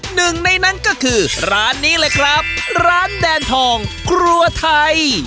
หนึ่งในนั้นก็คือร้านนี้เลยครับร้านแดนทองครัวไทย